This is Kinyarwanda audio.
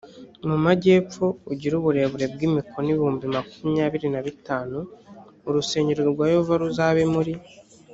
mu majyepfo ugire uburebure bw imikono ibihumbi makumyabiri na bitanu urusengero rwa yehova ruzabe muri